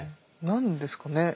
何ですかね？